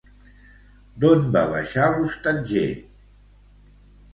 D'on va baixar l'hostatger?